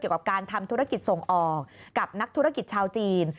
กับการทำธุรกิจส่งออกกับนักธุรกิจชาวจีน